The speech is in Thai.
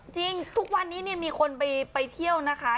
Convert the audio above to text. จริงทุกวันนี้มีคนไปเที่ยวนะคะ